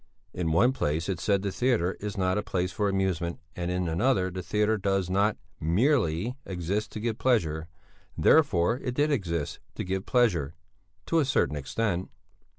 In one place it said the theatre is not a place for amusement and in another the theatre does not "merely" exist to give pleasure, therefore it did exist to give pleasure to a certain extent.